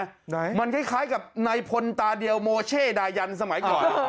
ไหนมันคล้ายกับนายพลตาเดียวโมเช่ดายันสมัยก่อน